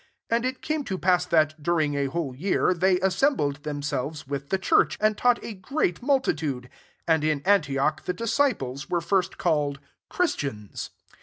26 And it came to pass that, during a whole year, they assembled themselves with the church ; and taught a great multitude ; and in Antioch the disciples were first called Chris tians.